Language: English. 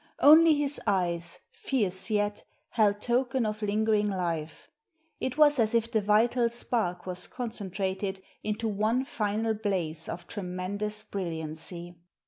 Only his eyes, fierce yet, held token of lingering life; it was as if the vital spark was concentrated into one final blaze of tremendous brilliancy.